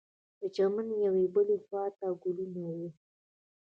د چمن یوې او بلې خوا ته ګلونه وه.